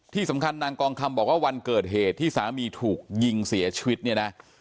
ที่สำคัญนางกองคำบอกว่าวันเกิดเหตุที่สามีถูกยิงเสียชีวิตเนี่ยนะ